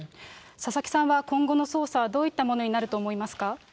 佐々木さんは今後の捜査はどういったものになると思いますか。